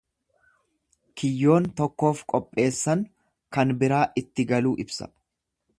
Kiyyoon tokkoof qopheessan kan biraa itti galuu ibsa.